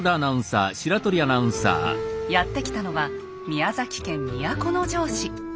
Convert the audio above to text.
やって来たのは宮崎県都城市。